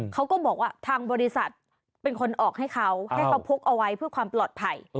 เขาก็บอกว่าทางบริษัทเป็นคนออกให้เขาให้เขาพกเอาไว้เพื่อความปลอดภัย